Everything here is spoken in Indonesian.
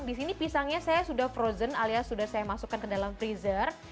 di sini pisangnya saya sudah frozen alias sudah saya masukkan ke dalam freezer